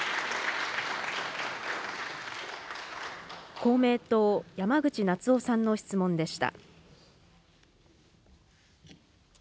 公明党、山口那津男さんの質問でした。